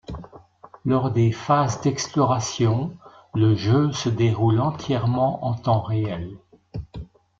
Lors des phases d’exploration, le jeu se déroule entièrement en temps réel.